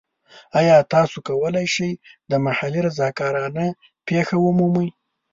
ایا تاسو کولی شئ د محلي رضاکارانه پیښه ومومئ؟